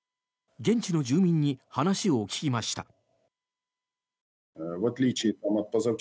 現地の住民に話を聞きました。